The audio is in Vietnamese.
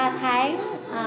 rồi mình lại về pháp